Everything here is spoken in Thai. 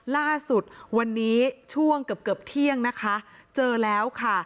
ล่าสุดวันนี้ช่วงเกือบเกือบเที่ยงนะคะเจอแล้วค่ะ